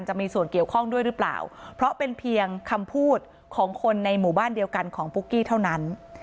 จะมีส่วนเกี่ยวข้องด้วยหรือเปล่าเพราะเป็นเพียงคำพูดของคนในหมู่บ้านเดียวกันของปุ๊กกี้เท่านั้น